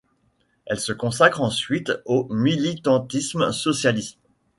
Elle se consacre ensuite au militantisme socialiste.